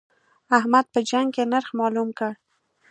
احمد په جنګ کې نرخ مالوم کړ.